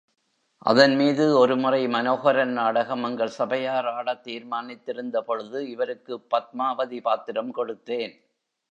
அதன்மீது ஒரு முறை மனோஹரன் நாடகம் எங்கள் சபையார் ஆடத் தீர்மானித்திருந்தபொழுது இவருக்குப் பத்மாவதி பாத்திரம் கொடுத்தேன்.